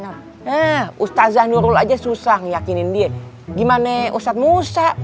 nah ustazah nurul aja susah ngeyakinin dia gimana ustaz musa